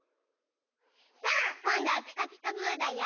さあこんどは「ピカピカブ！」だよ！